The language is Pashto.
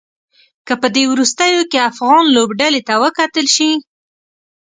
که په دې وروستيو کې افغان لوبډلې ته وکتل شي.